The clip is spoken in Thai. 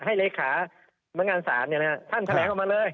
ให้เลขาบังงานสารเนี่ยนะฮะท่านแถลงเข้ามาเลย